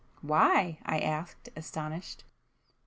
"Why?" I asked, astonished.